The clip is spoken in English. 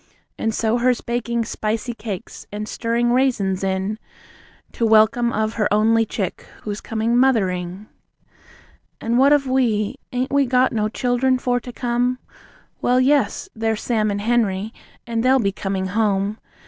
And so her's baking spicy cakes, and stir ring raisins in, To welcome of her only chick, who's coming Mothering. And what of we? And ain't we got no childern for to come? Well, yes! There's Sam and Henery, and they'll be coming home.